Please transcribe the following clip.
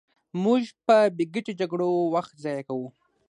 موږ په بې ګټې جګړو وخت ضایع کوو.